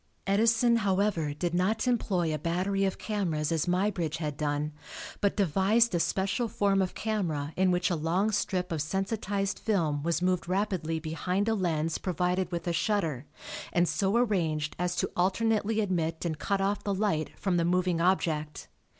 Edison, however, did not employ a battery of cameras as Muybridge had done, but devised a special form of camera in which a long strip of sensitized film was moved rapidly behind a lens provided with a shutter, and so arranged as to alternately admit and cut off the light from the moving object.